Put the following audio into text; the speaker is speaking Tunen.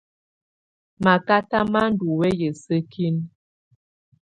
Makata má ndù wɛyà sǝ́kinǝ.